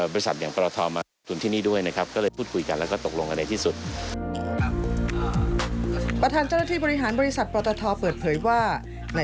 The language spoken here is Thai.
ประธานเจ้าหน้าที่บริหารบริษัทปราททธ์เปิดเผยว่า